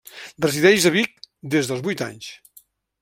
Resideix a Vic des dels vuit anys.